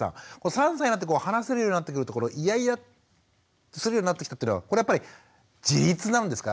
３歳になって話せるようになってくるとこのイヤイヤするようになってきたっていうのはこれはやっぱり自立なんですか？